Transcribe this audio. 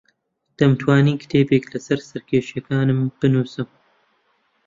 دەمتوانی کتێبێک لەسەر سەرکێشییەکانم بنووسم.